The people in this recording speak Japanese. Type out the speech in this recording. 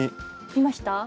いました？